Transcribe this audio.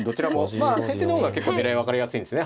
まあ先手の方が結構狙い分かりやすいんですね。